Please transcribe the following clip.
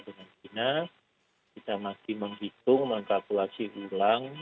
dengan china kita masih menghitung mengkalkulasi ulang